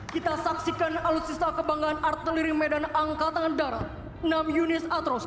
kita saksikan bersama aris gator